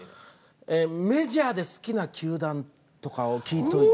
ええメジャーで好きな球団とかを聞いといて。